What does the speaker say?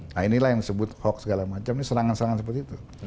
nah inilah yang disebut hoax segala macam ini serangan serangan seperti itu